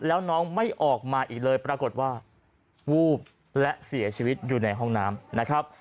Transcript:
แล้วน้องไม่ออกมาอีกเลยปรากฏว่าวูบและเสียชีวิตอยู่ในห้องน้ำนะครับ